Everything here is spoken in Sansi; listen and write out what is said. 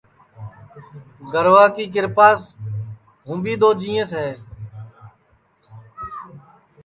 گَروا کی کِرپاس ہوں بھی دؔوجینٚیس ہے